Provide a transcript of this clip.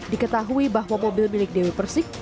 diketahui bahwa mobil milik dewi persik